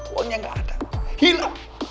uangnya gak ada hilang